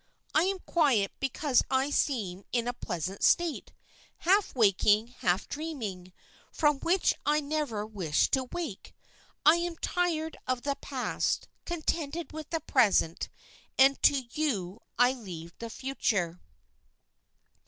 I am quiet because I seem in a pleasant state, half waking, half dreaming, from which I never wish to wake. I am tired of the past, contented with the present, and to you I leave the future."